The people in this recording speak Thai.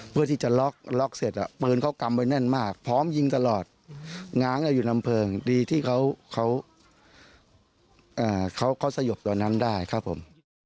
เพื่อที่จะล็อกล็อกเสร็จปืนเขากำไว้แน่นมากพร้อมยิงตลอดง้างอยู่ลำเพลิงดีที่เขาสยบตัวนั้นได้ครับผม